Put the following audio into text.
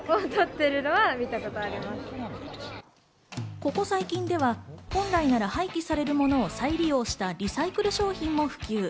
ここ最近では本来なら廃棄されるものを再利用したリサイクル商品も普及。